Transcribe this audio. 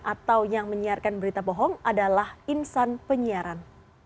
atau yang menyiarkan berita bohong adalah insan penyiaran